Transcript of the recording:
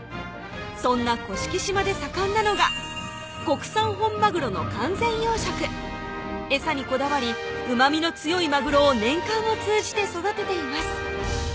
そんな甑島で盛んなのが国産本マグロの完全養殖餌にこだわりうまみの強いマグロを年間を通じて育てています